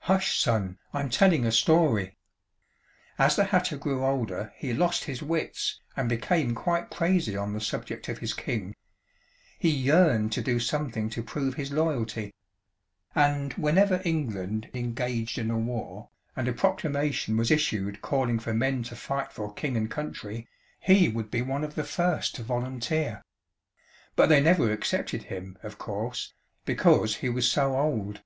"Hush, Son, I'm telling a story! As the hatter grew older he lost his wits and became quite crazy on the subject of his king. He yearned to do something to prove his loyalty. And whenever England engaged in a war, and a proclamation was issued calling for men to fight for King and country, he would be one of the first to volunteer. But they never accepted him, of course, because he was so old.